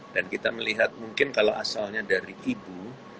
dan kita melihat mungkin kalau asalnya dari ibu